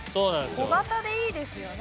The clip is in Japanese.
小型でいいですよね。